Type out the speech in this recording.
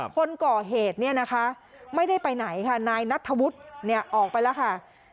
คนก่อเหตุไม่ได้ไปไหนนายนัตโถวุธออกไปแล้วค่ะ